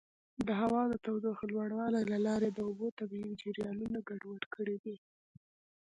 د هوا د تودوخې لوړوالي له لارې د اوبو طبیعي جریانونه ګډوډ کړي دي.